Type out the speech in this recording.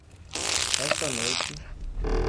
Esta noite